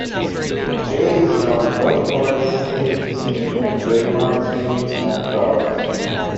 Gray is known both for his clean singing and trademark screams and growls.